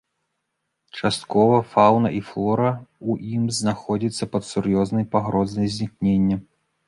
Часткова фаўна і флора ў ім знаходзіцца пад сур'ёзнай пагрозай знікнення.